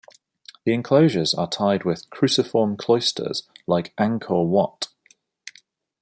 The enclosures are tied with "cruciform cloisters", like Angkor Wat.